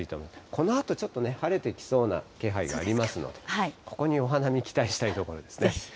このあとちょっと晴れてきそうな気配がありますので、ここにお花見、期待したいところですね。